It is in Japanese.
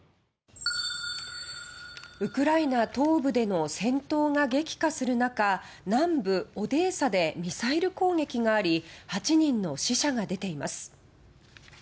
ウクライナ東部での戦闘が激化する中南部オデーサでミサイル攻撃があり８人の死者が出ています。